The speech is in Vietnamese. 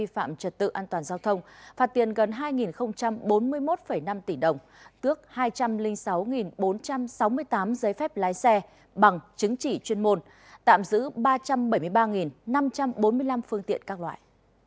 tạm trật tự an toàn giao thông phạt tiền gần hai bốn mươi một năm tỷ đồng tước hai trăm linh sáu bốn trăm sáu mươi tám giấy phép lái xe bằng chứng chỉ chuyên môn tạm giữ ba trăm bảy mươi ba năm trăm bốn mươi năm phương tiện các loại